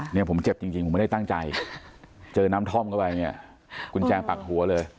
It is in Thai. เนี่ยผมเจ็บจริงผมไม่ได้ตั้งใจเจอน้ำท่อมเข้าไปเนี่ยกุญแจปักหัวเลย